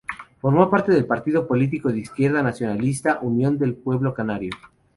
Formó parte del partido político de izquierda nacionalista Unión del Pueblo Canario.